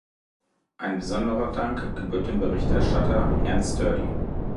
Ein besonderer Dank gebührt dem Berichterstatter, Herrn Sturdy.